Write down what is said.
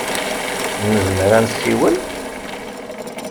Nezmer ad nessiwel?